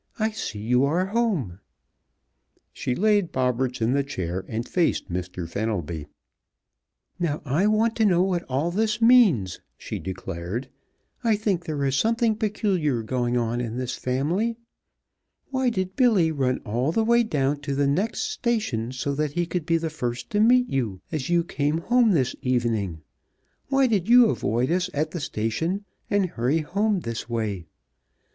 "I see you are home." She laid Bobberts in the chair and faced Mr. Fenelby. "Now, I want to know what all this means!" she declared. "I think there is something peculiar going on in this family. Why did Billy run all the way down to the next station so that he could be the first to meet you as you came home this evening? Why did you avoid us at the station and hurry home this way?